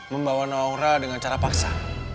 membawa naura dengan cara paksa